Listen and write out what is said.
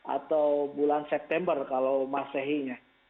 atau bulan september kalau masehinya